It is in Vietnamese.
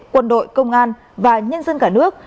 quân đội công an và nhân dân cả nước